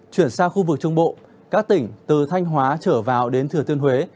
chuyển sang khu vực trung bộ các tỉnh từ thanh hóa trở vào đến thừa thiên huế